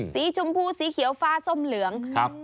สีชมพูสีเขียวฟ้าส้มเหลืองครับ